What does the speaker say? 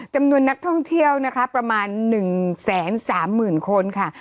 จำนวนนักท่องเที่ยวนะคะประมาณ๑๓๐๐๐คนค่ะ